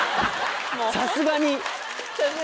さすがに。